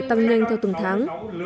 tăng nhanh theo từng tháng